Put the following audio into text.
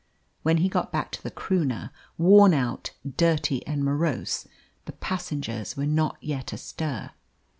When he got back to the Croonah, worn out, dirty, and morose, the passengers were not yet astir.